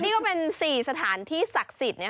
นี่ก็เป็น๔สถานที่ศักดิ์สิทธิ์